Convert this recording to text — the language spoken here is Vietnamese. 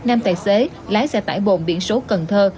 nam tài xế lái xe tải bồn biển số cần thơ